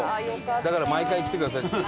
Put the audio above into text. だから毎回来てください。